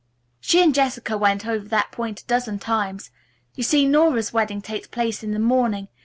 "She and Jessica went over that point a dozen times. You see Nora's wedding takes place in the morning.